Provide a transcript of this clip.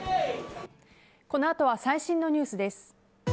このあとは最新のニュースです。